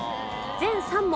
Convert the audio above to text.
全３問。